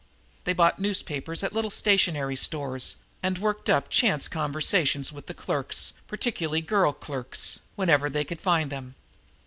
They bought newspapers at little stationery stores and worked up chance conversations with the clerks, particularly girl clerks, whenever they could find them.